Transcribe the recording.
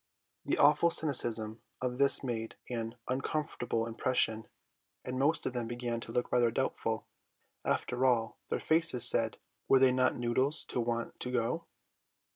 The awful cynicism of this made an uncomfortable impression, and most of them began to look rather doubtful. After all, their faces said, were they not noodles to want to go?